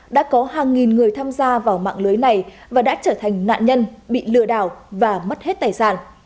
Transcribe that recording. đã có hàng nghìn người tham gia vào mạng lưới này và đã trở thành nạn nhân bị lừa đảo và mất hết tài sản